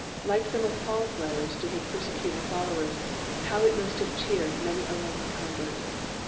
Like some of Paul's letters to his persecuted follow ers, how it must have cheered many a lonely convert